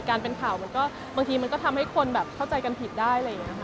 การเป็นข่าวก็บางทีมันก็ทำให้คนเข้าใจกันผิดได้